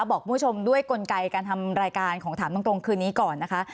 บอกคุณผู้ชมด้วยกลไกการทำรายการของถามตรงคืนนี้ก่อนนะคะ